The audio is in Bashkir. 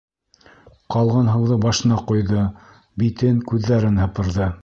Ҡалған һыуҙы башына ҡойҙо, битен, күҙҙәрен һыпырҙы.